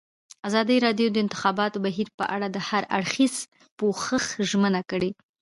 ازادي راډیو د د انتخاباتو بهیر په اړه د هر اړخیز پوښښ ژمنه کړې.